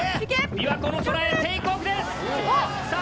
琵琶湖の空へテイクオフです！さあ！